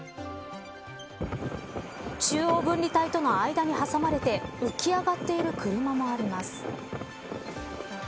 中央分離帯との間に挟まれて浮き上がっている車もあります。